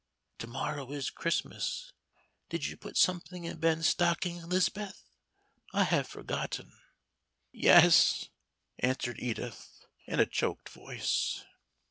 To morrow is Christmas. Did you put something in Ben's stockings, 'Lis'beth? I have forgotten." "Yes," answered Edith, in a choked voice.